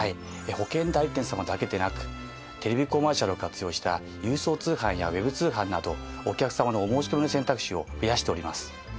保険代理店様だけでなくテレビコマーシャルを活用した郵送通販やＷｅｂ通販などお客様のお申し込みの選択肢を増やしております。